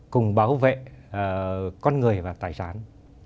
cùng bảo vệ con người và tài sản